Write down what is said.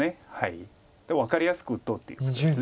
分かりやすく打とうっていうことです